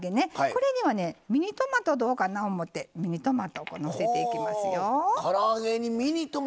これにはミニトマトどうかなと思ってのせていきますよ。